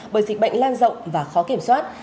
bởi dịch bệnh lan rộng và khó kiểm soát